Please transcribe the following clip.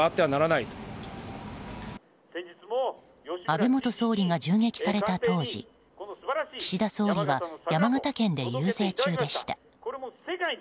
安倍元総理が銃撃された当時岸田総理は山形県で遊説中でした。